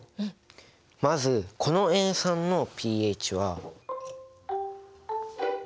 まずこの塩酸のｐＨは。